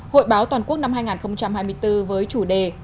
hội báo toàn quốc năm hai nghìn hai mươi bốn với chủ đề